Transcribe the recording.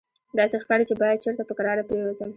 داسې ښکاري چې باید چېرته په کراره پرېوځم.